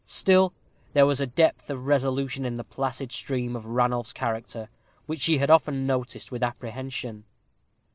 Still there was a depth of resolution in the placid stream of Ranulph's character which she had often noticed with apprehension.